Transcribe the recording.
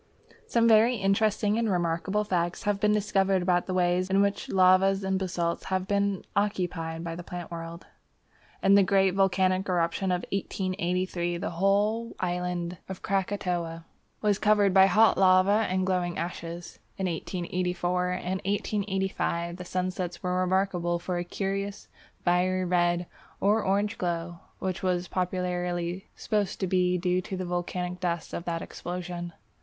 Some very interesting and remarkable facts have been discovered about the way in which lavas and basalts have been occupied by the plant world. In the great volcanic eruption of 1883, the whole island of Krakatoa was covered by hot lava and glowing ashes. In 1884 and 1885 the sunsets were remarkable for a curious fiery red or orange glow, which was popularly supposed to be due to the volcanic dust of that explosion.